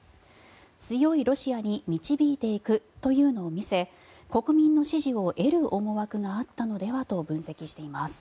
強いロシアに導いていくというのを見せ国民の支持を得る思惑があったのではと分析しています。